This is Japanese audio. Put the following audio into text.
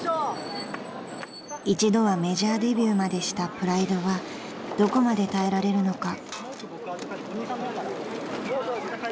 ［一度はメジャーデビューまでしたプライドはどこまで耐えられるのか］